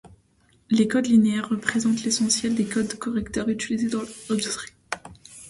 Les codes linéaires représentent l'essentiel des codes correcteurs utilisés dans l'industrie.